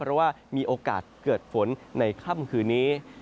เพราะว่ามีโอกาสเกิดฝนในค่ำคืนนี้